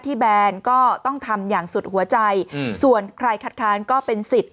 แบนก็ต้องทำอย่างสุดหัวใจส่วนใครคัดค้านก็เป็นสิทธิ์